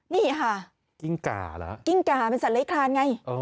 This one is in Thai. นี่ค่ะกิ้งก่าเป็นสัตว์เล้ยคลานไง